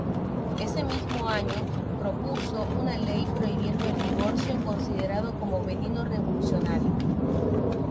Ese mismo año propuso una ley prohibiendo el divorcio, considerado como "veneno revolucionario".